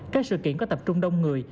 các sự kiện có tập trung đông người